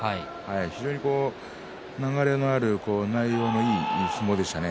非常に流れのある内容のいい相撲でしたね。